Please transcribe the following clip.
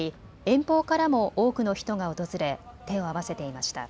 遠方からも多くの人が訪れ手を合わせていました。